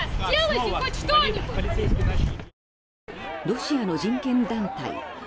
ロシアの人権団体